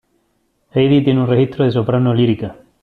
Heidi tiene un registro de soprano lírica.